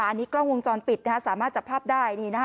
อันนี้กล้องวงจรปิดสามารถจับภาพได้